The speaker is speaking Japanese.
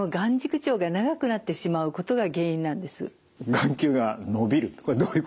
眼球が伸びるこれどういうことなんですか？